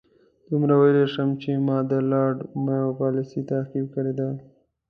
دومره ویلای شم چې ما د لارډ مایو پالیسي تعقیب کړې ده.